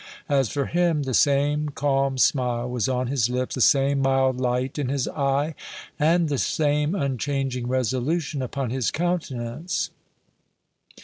As for him, the same calm smile was on his lip, the same mild light in his eye and the same unchanging resolution upon his countenance.